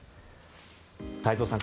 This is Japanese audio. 太蔵さん